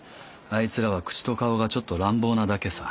いつらは口と顔がちょっと乱暴なだけさ。